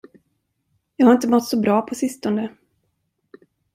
Jag har inte mått så bra på sistone.